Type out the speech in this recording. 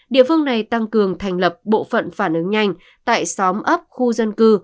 địa phương này tăng cường thành lập bộ phận phản ứng nhanh tại xóm ấp khu dân cư